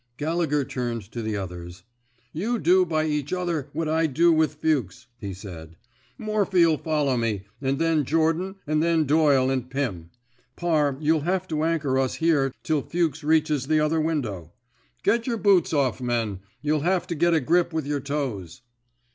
Gallegher turned to the others. You do by each other what I do with Fuchs," he said. Morphy'U follow me, and then Jordan, and then Doyle and Pirn. Parr, you'll have to anchor us here till Puchs reaches the other window. Get your boots off, men. You'll have to get a grip with your toes."